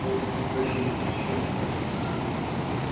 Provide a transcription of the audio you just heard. خدایه کشکي مي دا شپه نه ختمېدلای